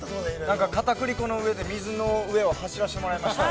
◆なんかかたくり粉の上で水の上走らせてもらいました。